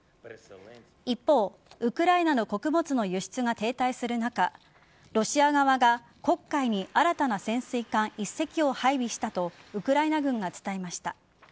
一方ウクライナの穀物の輸出が停滞する中ロシア側が黒海に新たな潜水艦１隻を配備したとウクライナ軍が伝えました。